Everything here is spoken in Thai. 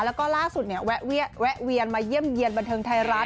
แล้วก็ล่าสุดแวะเวียนวิทยาลัยมาเยี่ยมเยียนบันเทิงไทยรัฐ